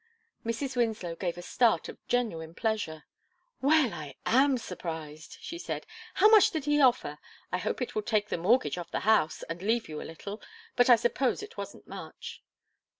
Mrs. Winslow gave a start of genuine pleasure. "Well, I am surprised," she said. "How much did he offer? I hope it will take the mortgage off the house, and leave you a little. But I suppose it wasn't much."